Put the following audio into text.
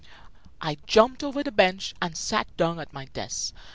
I jumped over the bench and sat down at my desk.